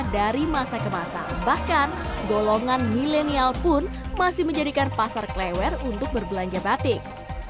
dari masa ke masa bahkan golongan milenial pun masih menjadikan pasar klewer untuk berbelanja batik